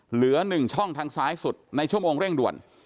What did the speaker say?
เหลือ๑ช่องทางซ้ายสุดในชั่วโมงเร่งด่วน